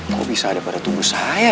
kau bisa ada pada tubuh saya